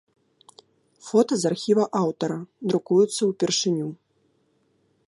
Фота з архіва аўтара, друкуюцца ўпершыню.